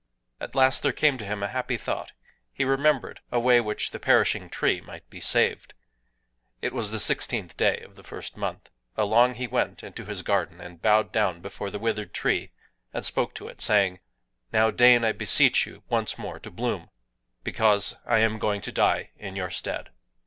At last there came to him a happy thought: he remembered a way by which the perishing tree might be saved. (It was the sixteenth day of the first month.) Along he went into his garden, and bowed down before the withered tree, and spoke to it, saying: "Now deign, I beseech you, once more to bloom,—because I am going to die in your stead."